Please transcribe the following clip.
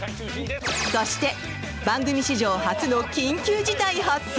そして番組史上初の緊急事態発生？